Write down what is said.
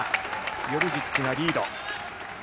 ヨルジッチがリード。